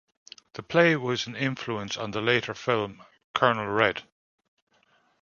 The play was an influence on the later film "Colonel Redl".